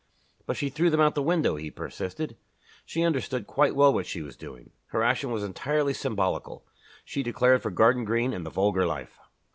"But she threw them out of the window!" he persisted. "She understood quite well what she was doing. Her action was entirely symbolical. She declared for Garden Green and the vulgar life."